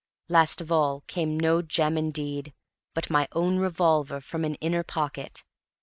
Last of all came no gem, indeed, but my own revolver from an inner pocket.